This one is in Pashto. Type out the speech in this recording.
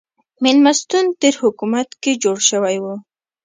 مېلمستون تېر حکومت کې جوړ شوی و.